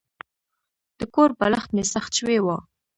د کور بالښت مې سخت شوی و.